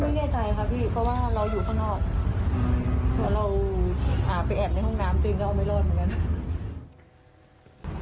ไม่แน่ใจค่ะพี่เพราะว่าเราอยู่ข้างนอกแล้วเราไปแอบในห้องน้ำตัวเองก็เอาไม่รอดเหมือนกัน